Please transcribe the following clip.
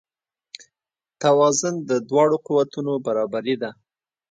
توازن د دواړو قوتونو برابري ده.